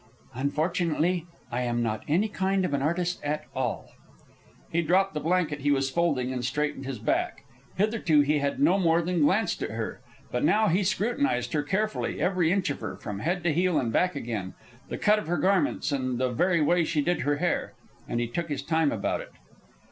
"Unfortunately, I am not any kind of an artist at all." He dropped the blanket he was folding and straightened his back. Hitherto he had no more than glanced at her; but now he scrutinized her carefully, every inch of her, from head to heel and back again, the cut of her garments and the very way she did her hair. And he took his time about it.